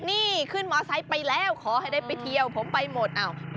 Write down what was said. นี่ขึ้นมอไซค์ไปแล้วขอให้ได้ไปเที่ยวผมไปหมดอ้าว